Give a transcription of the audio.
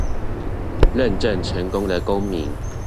認證成功的公民